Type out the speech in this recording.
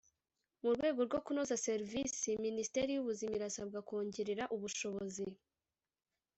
mu rwego rwo kunoza serivisi minisiteri y ubuzima irasabwa kongerera ubushobozi